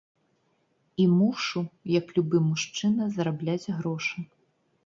І мушу як любы мужчына зарабляць грошы!